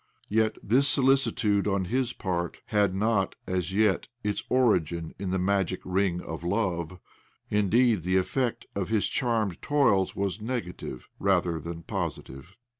Yet this solicitude on his part had not, as yet, its 12 177 178 OBLOMOV origin in the magic ring of love. Indeed, the effect of his charmed toils was negative rather than positive.